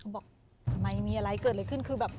บอกทำไมมีอะไรเกิดอะไรขึ้นคือแบบ